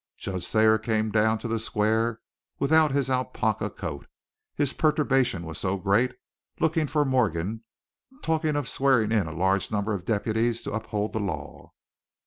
Judge Thayer came down to the square without his alpaca coat, his perturbation was so great, looking for Morgan, talking of swearing in a large number of deputies to uphold the law.